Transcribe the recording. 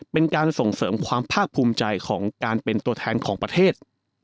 เป็นการส่งเสริมความภาคภูมิใจของการเป็นตัวแทนของประเทศ